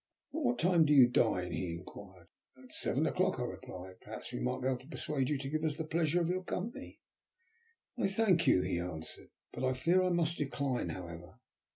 "At what time do you dine?" he inquired. "At seven o'clock," I replied. "Perhaps we might be able to persuade you to give us the pleasure of your company?" "I thank you," he answered. "I fear I must decline, however.